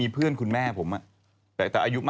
ผมงงมากเลย